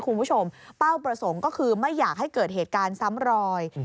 เป้าประสงค์ก็คือไม่อยากให้เกิดเหตุการณ์ซ้ำรอย